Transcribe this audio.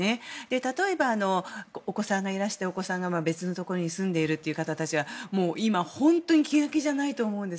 例えばお子さんがいらしてお子さんが別のところに住んでいるという方たちはもう今、本当に気が気じゃないと思うんです。